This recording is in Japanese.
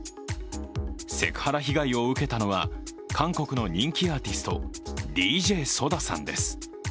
セクハラうがいを受けたのは韓国の人気アーティスト、ＤＪ・ＳＯＤＡさんです。